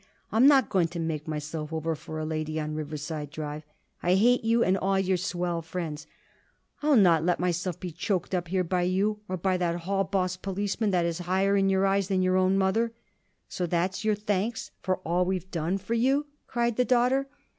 I'm not going to make myself over for a lady on Riverside Drive. I hate you and all your swell friends. I'll not let myself be choked up here by you or by that hall boss policeman that is higher in your eyes than your own mother." "So that's your thanks for all we've done for you?" cried the daughter.